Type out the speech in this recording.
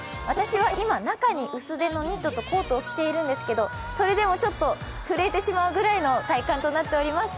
今、中に薄手のニットとコートを着ているんですけれどもそれでもちょっと震えてしまうくらいの体感となっております。